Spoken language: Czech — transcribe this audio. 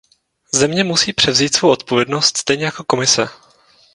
Země musí převzít svou odpovědnost stejně jako Komise.